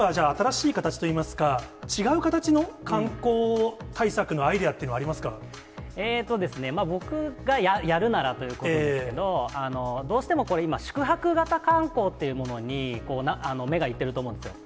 でも、となると、例えば、じゃあ、新しい形といいますか、違う形の観光対策のアイデアというのはあ僕がやるならということですけど、どうしてもこれ、今、宿泊型観光っていうものに目が行ってると思うんですよ。